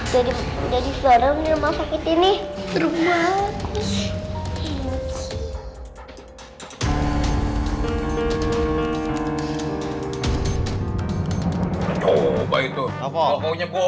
jadi jadi sekarang rumah sakit ini